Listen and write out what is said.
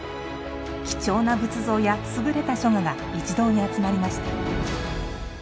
貴重な仏像や優れた書画が一堂に集まりました。